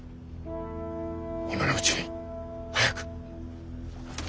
今のうちに早く。